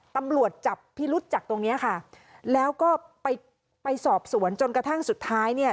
ตำรวจจับพิรุษจากตรงเนี้ยค่ะแล้วก็ไปไปสอบสวนจนกระทั่งสุดท้ายเนี่ย